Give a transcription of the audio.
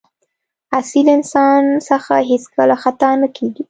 اصیل انسان څخه هېڅکله خطا نه کېږي.